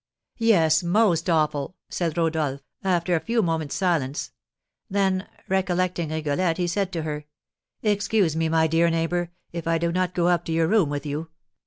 "Yes, most awful!" said Rodolph, after a few moment's silence; then recollecting Rigolette, he said to her, "Excuse me, my dear neighbour, if I do not go up to your room with you.